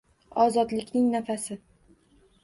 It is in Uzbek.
Ozodlikning nafasi.